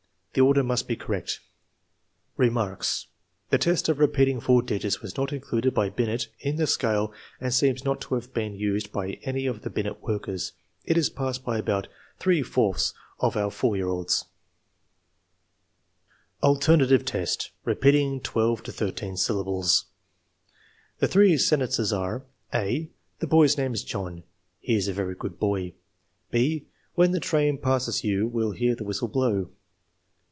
The order must be correct. Remarks. The test of repeating four digits was not included by Binet in the scale and seems not to have been used by any of the Binet workers. It is passed by about three fourths of our 4 year olds. 160 THE MEASUREMENT OF INTELLIGENCE IV. Alternative test : repeating twelve to thirteen syllables The three sentences are: (a) " The boy's name is John. He is a very good boy. 39 (b) "When the train passes you will hear the whistle blow."